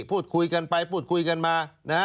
พูดคุยกันไปพูดคุยกันมานะฮะ